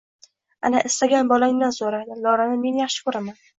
Ana, istagan bolangdan soʻra, Dildorani men yaxshi koʻraman…